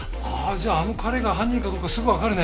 じゃああの彼が犯人かどうかすぐわかるね。